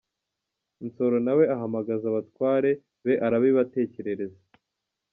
Nsoro na we ahamagaza abatware be arabibatekerereza.